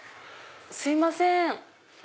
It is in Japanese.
すいません。